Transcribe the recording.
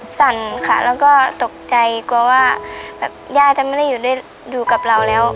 สั่นค่ะแล้วก็ตกใจกลัวว่าแบบย่าจะไม่ได้อยู่ด้วยอยู่กับเราแล้ว